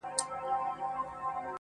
بیا به خامخا یوه توره بلا وي,